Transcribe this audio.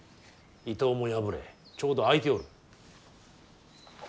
伊東も敗れちょうど空いておる。